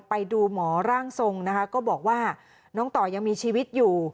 ไปดูหมอร่างทรงนะคะก็บอกว่าน้องต่อยังมีชีวิตอยู่